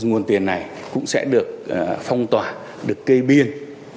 nguồn tiền này cũng sẽ được phong tỏa được cây biên